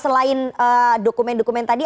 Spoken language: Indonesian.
selain dokumen dokumen tadi